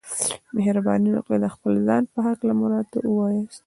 مهرباني وکړئ د خپل ځان په هکله مو راته ووياست.